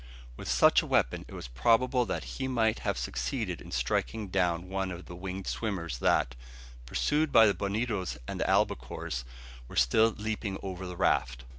With such a weapon it was probable that he might have succeeded in striking down one of the winged swimmers that, pursued by the bonitos and albacores, were still leaping over the raft.